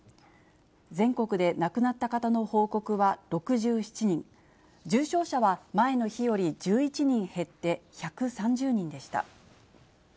全国で亡くなった方の報告は６７人、重症者は前の日より１１人減って１３０人でした。